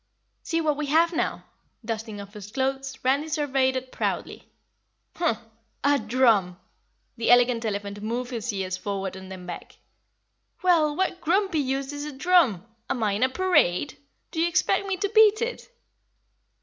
"See what we have now!" Dusting off his clothes, Randy surveyed it proudly. "Humph! A DRUM!" The Elegant Elephant moved his ears forward and then back. "Well, what grumpy use is a drum? Am I in a parade? Do you expect me to beat it?"